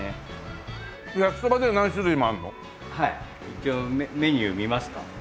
一応メニュー見ますか？